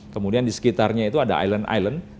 kemudian di sekitarnya itu ada island island